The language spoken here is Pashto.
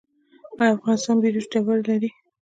آیا افغانستان بیروج ډبرې لري؟